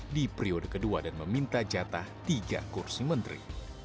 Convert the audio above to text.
di periode kedua dan meminta jatah tiga kursi menteri